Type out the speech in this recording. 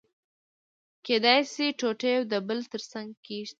کېدای شي ټوټې يو د بل تر څنګه کېږدي.